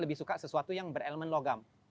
lebih suka sesuatu yang berelemen logam